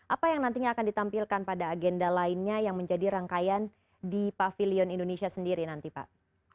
apa yang nantinya akan ditampilkan pada agenda lainnya yang menjadi rangkaian di pavilion indonesia sendiri nanti pak